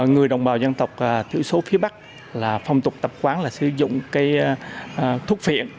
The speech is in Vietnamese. người đồng bào dân tộc thiểu số phía bắc là phong tục tập quán là sử dụng thuốc viện